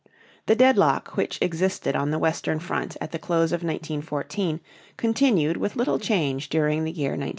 The deadlock which existed on the western front at the close of 1914 continued with little change during the year 1915.